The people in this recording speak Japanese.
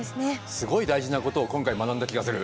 すごい大事なことを今回学んだ気がする。